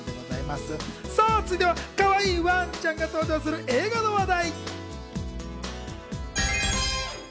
続いてはかわいいワンちゃんが登場する映画の話題。